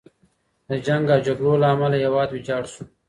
د جنګ او جګړو له امله هیواد ویجاړ شو.